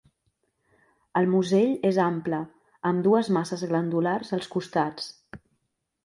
El musell és ample, amb dues masses glandulars als costats.